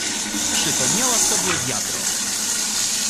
"Przypomniała sobie wiadro."